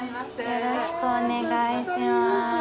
よろしくお願いします。